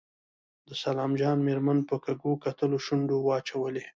د سلام جان مېرمن په کږو کتلو شونډې واچولې.